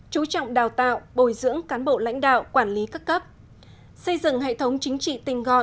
chú trọng đào tạo bồi dưỡng cán bộ lãnh đạo quản lý các cấp xây dựng hệ thống chính trị tinh gọn